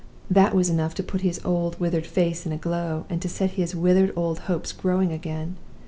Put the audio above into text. That was enough to put his withered old face in a glow, and to set his withered old hopes growing again.